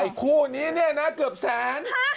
คู่นี้เนี่ยนะเกือบแสน